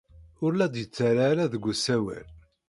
Ur la d-yettarra ara deg usawal.